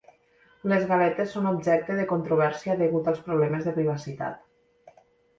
Les galetes són objecte de controvèrsia degut als problemes de privacitat.